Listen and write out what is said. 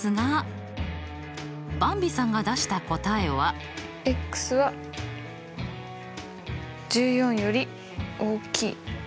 ばんびさんが出した答えは。は１４より大きい。